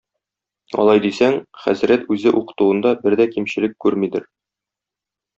Алай дисәң, хәзрәт үзе укытуында бер дә кимчелек күрмидер.